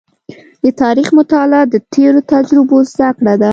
د تاریخ مطالعه د تېرو تجربو زده کړه ده.